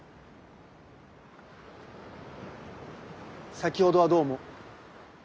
先ほどはどうも。